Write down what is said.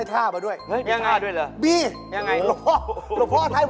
อยากรวยปะ